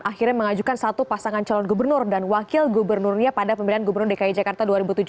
akhirnya mengajukan satu pasangan calon gubernur dan wakil gubernurnya pada pemilihan gubernur dki jakarta dua ribu tujuh belas